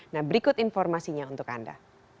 nah berikut informasinya untuk anda